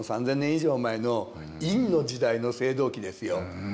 以上前の殷の時代の青銅器ですよ。